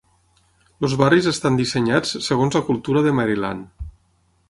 Els barris estan dissenyats segons la cultura de Maryland.